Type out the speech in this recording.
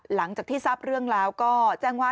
หลังจากที่ทราบเรื่องแล้วก็แจ้งว่า